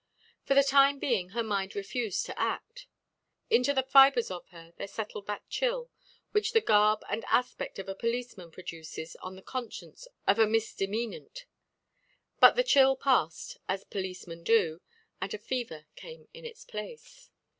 For the time being her mind refused to act. Into the fibres of her there settled that chill which the garb and aspect of a policeman produces on the conscience of a misdemeanant. But the chill passed as policemen do, and a fever came in its place.